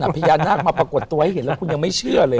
แต่พญานาคมาปรากฏตัวให้เห็นแล้วคุณยังไม่เชื่อเลย